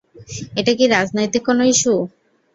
এটা কি রাজনৈতিক কোন ইস্যু?